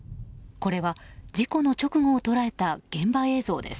これは事故の直後を捉えた現場映像です。